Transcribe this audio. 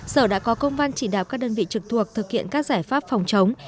sở đã có công văn chỉ đạo các đơn vị trực thuộc thực hiện các giải pháp phòng chống